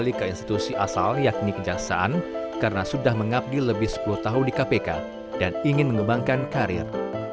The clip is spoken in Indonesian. kembali ke institusi asal yakni kejaksaan karena sudah mengabdi lebih sepuluh tahun di kpk dan ingin mengembangkan karir